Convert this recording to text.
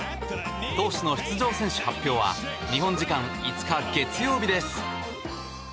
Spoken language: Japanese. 投手の出場選手発表は日本時間５日、月曜日です。